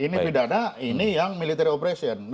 ini pidana ini yang military operation